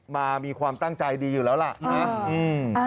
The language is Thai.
มีความตั้งใจดีอยู่แล้วล่ะนะ